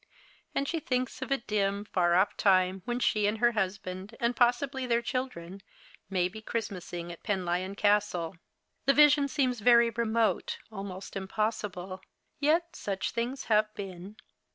And she thinks of a dim, far off time when she and her husband, and possibly their children, may be Christ massing at Penlyon Castle. The vision seems very remote, almost impossible ; yet such things have been.